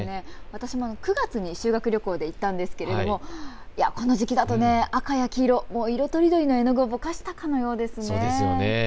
私も９月に修学旅行で行ったんですけれどもこの時期だと赤や黄色、色とりどりの絵の具をぼかしたかのようですね。